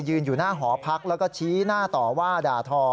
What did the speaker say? อยู่หน้าหอพักแล้วก็ชี้หน้าต่อว่าด่าทอ